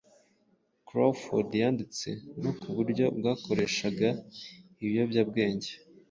Crawford yanditse no ku buryo bakoreshega ibiyobyabwenge